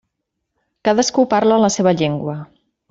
Cadascú parla la seva llengua.